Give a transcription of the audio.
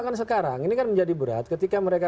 kan sekarang ini kan menjadi berat ketika mereka